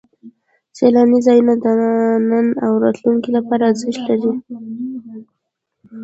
سیلاني ځایونه د نن او راتلونکي لپاره ارزښت لري.